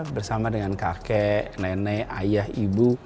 bersama dengan kakek nenek ayah ibu